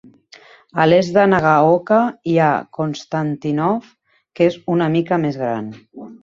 A l'est de Nagaoka hi ha Konstantinov, que és una mica més gran.